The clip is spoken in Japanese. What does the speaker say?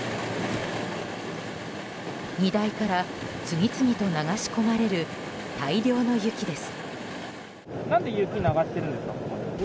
荷台から次々と流し込まれる大量の雪です。